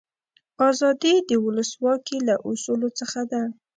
آزادي د ولسواکي له اصولو څخه ده.